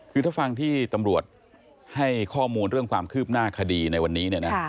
คือถ้าฟังที่ตำรวจให้ข้อมูลเรื่องความคืบหน้าคดีในวันนี้เนี่ยนะ